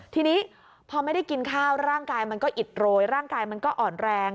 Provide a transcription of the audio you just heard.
ทีนี้พอไม่ได้กินข้าวร่างกายมันก็อิดโรยร่างกายมันก็อ่อนแรง